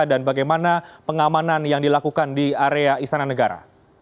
dan bagaimana pengamanan yang dilakukan di area istana negara